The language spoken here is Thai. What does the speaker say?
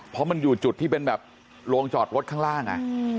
เพราะมันอยู่จุดที่เป็นแบบโรงจอดรถข้างล่าง